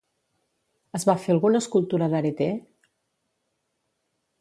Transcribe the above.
Es va fer alguna escultura d'Areté?